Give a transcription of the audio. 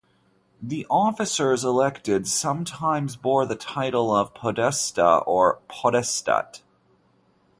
The officers elected sometimes bore the title of "podesta" or "podestat".